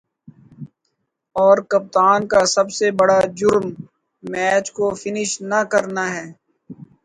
"اور کپتان کا سب سے بڑا"جرم" میچ کو فنش نہ کرنا ہے"